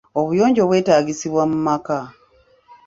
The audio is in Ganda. Obuyonjo bwetagisibwa mu maka.